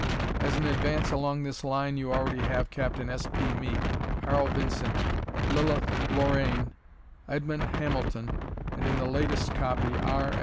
As an advance along this line you already have Capt. S. P. Meek, Harl Vincent, Lilith Lorraine, Edmond Hamilton, and, in the latest copy, R.